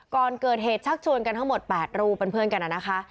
ก่อนเกิดเหตุชักชวนกันทั้งหมด๘รูปเป็นเพื่อนกันนะคะ